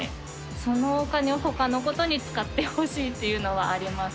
そのお金をほかのことに使ってほしいっていうのはあります。